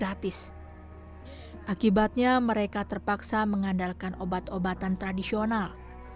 ya maaf ya mak saya bantuin mambil